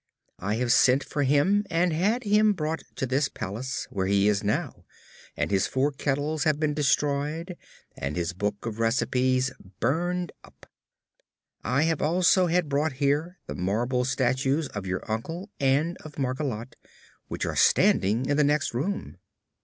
"I have sent for him and had him brought to this palace, where he now is, and his four kettles have been destroyed and his book of recipes burned up. I have also had brought here the marble statues of your uncle and of Margolotte, which are standing in the next room."